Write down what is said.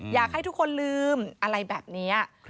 อยากให้ทุกคนลืมอะไรแบบนี้